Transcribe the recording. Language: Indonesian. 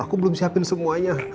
aku belum siapin semuanya